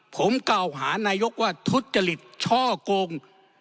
ผมกล่าวหานายกว่าทุจริตช่อกง